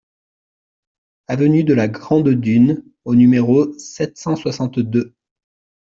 Avenue de la Grande Dune au numéro sept cent soixante-deux